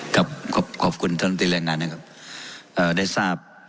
ครับขอบคุณท่านบุธีแรกนั้นครับ